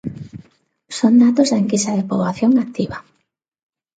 Son datos da enquisa de poboación activa.